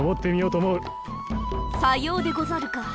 さようでござるか。